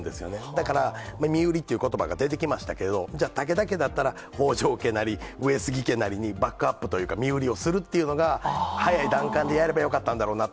だから、身売りということばが出てきましたけど、武田家だったら、北条家なり、上杉家なりにバックアップというか、身売りをするっていうのが、早い段階でやればよかったんだろうなと。